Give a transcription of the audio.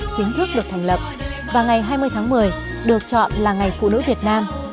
chính thức được thành lập và ngày hai mươi tháng một mươi được chọn là ngày phụ nữ việt nam